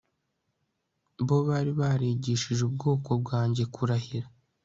bo bari barigishije ubwoko bwanjye kurahira